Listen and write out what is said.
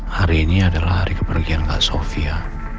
hari ini adalah hari kepergian kak sofia